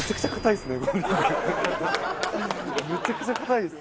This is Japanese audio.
めちゃくちゃ硬いです。